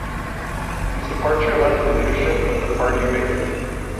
His departure left the leadership of the party vacant.